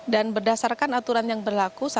dan berdasarkan aturan yang berlaku